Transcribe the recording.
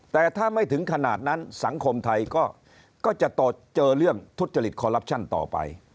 แต่ถ้าไม่ถึงขนาดนั้นสังคมไทยก็จะเจอเรื่องทุจริตคอลลับชั่นต่อไป